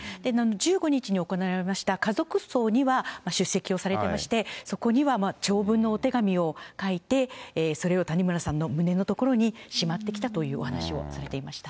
１５日に行われました、家族葬には出席をされてまして、そこには弔文のお手紙を書いて、それを谷村さんの胸の所にしまってきたというお話をされていました。